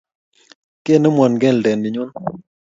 Kinemwo keldet ni nyuu?